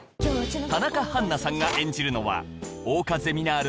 田中絆菜さんが演じるのは桜花ゼミナール